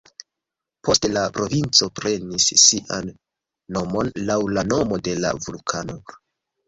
Poste la provinco prenis sian nomon laŭ la nomo de la vulkano.